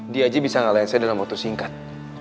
dia aja bisa ngalahin saya dalam waktu singkat